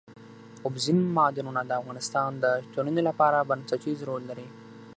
اوبزین معدنونه د افغانستان د ټولنې لپاره بنسټيز رول لري.